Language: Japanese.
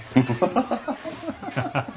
ハハハハ。